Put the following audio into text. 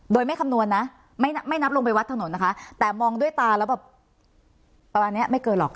โดยไม่คำนวณนะไม่นับลงไปวัดถนนนะคะแต่มองด้วยตาแล้วแบบประมาณนี้ไม่เกินหรอก